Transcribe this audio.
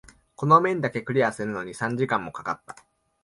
この面だけクリアするのに三時間も掛かった。